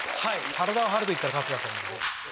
体を張るといったら春日さん。